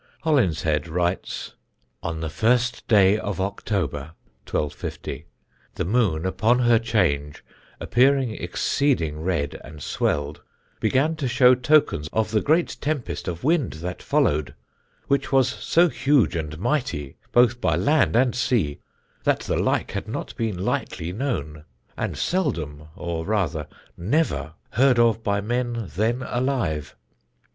Holinshed writes: "On the first day of October (1250), the moon, upon her change, appearing exceeding red and swelled, began to show tokens of the great tempest of wind that followed, which was so huge and mightie, both by land and sea, that the like had not been lightlie knowne, and seldome, or rather never heard of by men then alive.